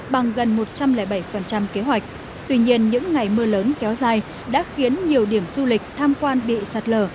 bằng gần một trăm linh bảy kế hoạch tuy nhiên những ngày mưa lớn kéo dài đã khiến nhiều điểm du lịch tham quan bị sạt lở